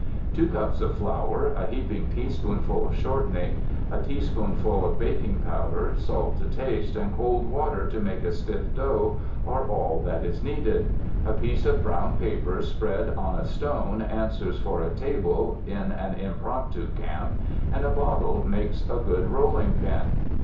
Two cups of flour, a heaping teaspoonful of shortening, a teaspoonful of baking powder, salt to taste and cold water to make a stiff dough, are all that are needed. A piece of brown paper spread on a stone answers for a table in an impromptu camp, and a bottle makes a good rolling pin.